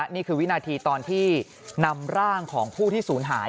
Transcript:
นี่คือวินาทีตอนที่นำร่างของผู้ที่ศูนย์หาย